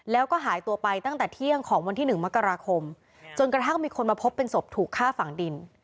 แล้วก็หายตัวไปตั้งแต่เที่ยงของวันที่๑มกราคมจนกระทั่งมีคนมาพบเป็นศพถูกฆ่าฝังดิน